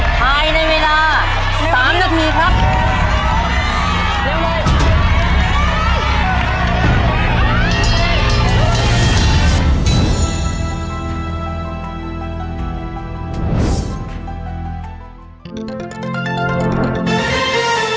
ถ่ายในเวลา๓นาทีครับ